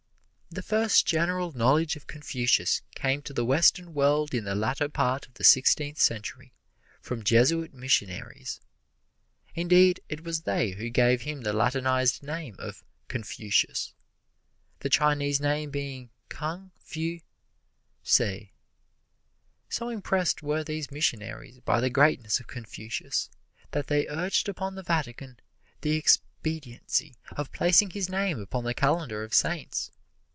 The first general knowledge of Confucius came to the Western world in the latter part of the Sixteenth Century from Jesuit missionaries. Indeed, it was they who gave him the Latinized name of "Confucius," the Chinese name being Kung Fu tsze. So impressed were these missionaries by the greatness of Confucius that they urged upon the Vatican the expediency of placing his name upon the calendar of Saints.